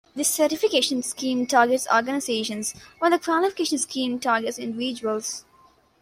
The certification scheme targets organizations, while the qualification scheme targets individuals.